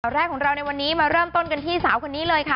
แรกของเราในวันนี้มาเริ่มต้นกันที่สาวคนนี้เลยค่ะ